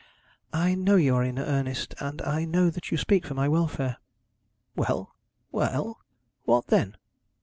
'I know you are in earnest, and I know that you speak for my welfare.' 'Well; well; what then?